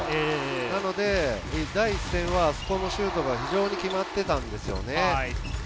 なので第１戦は、あそこのシュートが非常に決まっていたんですよ。